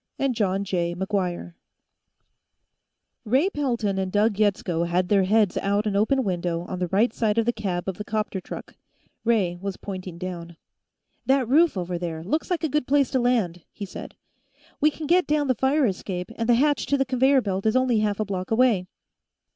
Ray Pelton and Doug Yetsko had their heads out an open window on the right side of the cab of the 'copter truck; Ray was pointing down. "That roof, over there, looks like a good place to land," he said. "We can get down the fire escape, and the hatch to the conveyor belt is only half a block away."